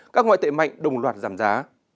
các ngoại tệ mạnh đồng loạt giảm giá